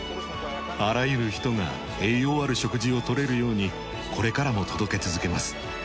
あらゆる人が栄養ある食事を取れるようにこれからも届け続けます。